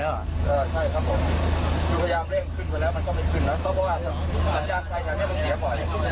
เราข้ามมาเยอะรึยังครับที่รถไฟชน